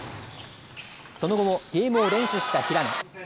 その後も、ゲームを連取した平野。